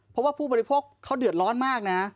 เพราะว่าผู้บริโภคเขาเดือดร้อนมากนะ